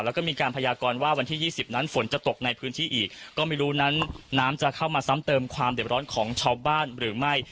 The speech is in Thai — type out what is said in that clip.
แล้วก็มีการพยากรว่าวันที่ยี่สิบนั้นฝนจะตกในพื้นที่อีกก็ไม่รู้นั้นน้ำจะเข้ามาซ้ำเติมความเด็บร้อนของชาวบ้านหรือไม่